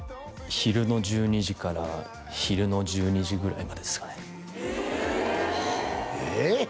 昼の１２時から昼の１２時ぐらいまでですかねはあええ？